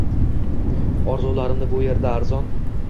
Orzularimni bu yerlarda arzon